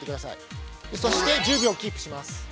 そして、１０秒キープします。